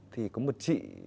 thì có một chị